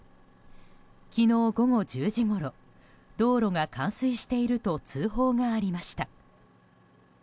昨日午後１０時ごろ道路が冠水していると通報がありました。